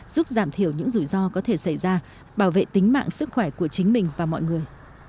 giúp giảm thiểu những rủi ro có thể xảy ra bảo vệ tính mạng sức khỏe của chính mình và mọi người